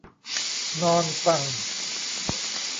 นอนฟัง